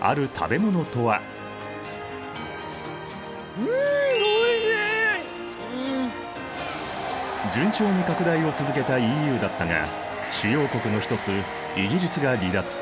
そんなん順調に拡大を続けたＥＵだったが主要国の一つイギリスが離脱。